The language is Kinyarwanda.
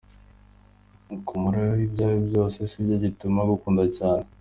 Kumumariraho ibyawe byose sibyo bituma agukunda cyane.